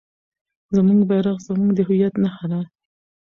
زموږ بیرغ زموږ د هویت نښه ده.